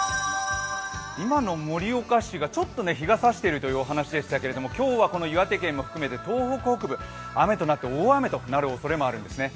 今の盛岡市がちょっと日がさしているというお話でしたけども今日は岩手県含めて東北北部、雨となって大雨となるおそれもあるんですね。